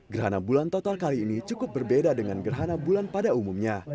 gerhana bulan total kali ini cukup berbeda dengan gerhana bulan pada umumnya